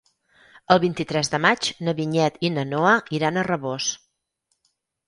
El vint-i-tres de maig na Vinyet i na Noa iran a Rabós.